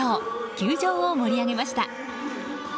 球場を盛り上げました。